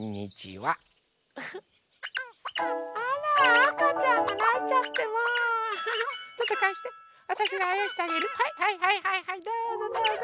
はいはいはいはいはいどうぞどうぞ。